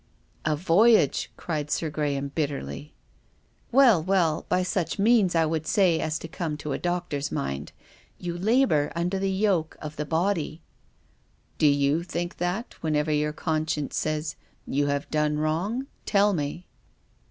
" A voyage !" cried Sir Graham bitterly. " Well, well — by such means, I would say, as come to a doctor's mind. You labour under the yoke of the body." 66 tongup:s of conscience. " Do you think that whenever your conscience says, ' You have done wrong '? Tell me